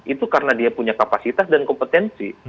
itu karena dia punya kapasitas dan kompetensi